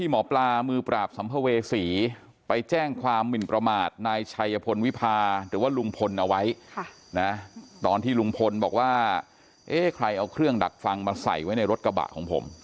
หรือว่าลุงพลเอาไว้ตอนที่ลุงพลบอกว่าเอ๊ะใครเอาเครื่องดักฟังมาใส่ไว้ในรถกระบะของผม